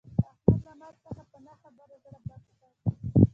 احمد له ما څخه په نه خبره زړه بد کړ.